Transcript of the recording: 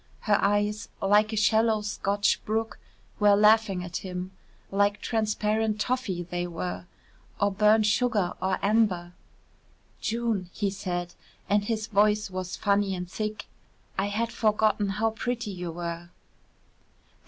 Her eyes, like a shallow Scotch brook, were laughing at him: like transparent toffee they were or burnt sugar or amber. "June," he said, and his voice was funny and thick, "I had forgotten how pretty you were."